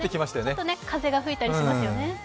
ちょっとね、風が吹いたりしてますよね。